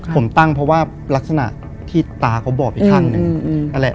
ผมตั้งเพราะว่ารักษณะที่ตาเขาบอกอีกครั้งหนึ่ง